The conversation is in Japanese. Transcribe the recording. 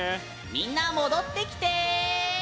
みんな戻ってきて。